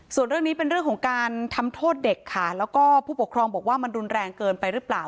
ส่วนเรื่องนี้เป็นเรื่องของการทำโทษเด็กค่ะแล้วก็ผู้ปกครองบอกว่ามันรุนแรงเกินไปหรือเปล่า